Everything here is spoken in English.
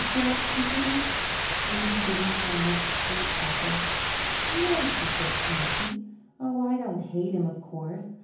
she asked stupidly. Avery bit into a nut sweet apple. "No," she said frankly. "Oh, I don't hate him, of course.